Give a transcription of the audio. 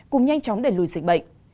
cùng nhanh chóng đẩy lùi dịch bệnh